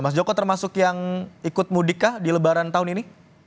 mas joko termasuk yang ikut mudik kah di lebaran tahun ini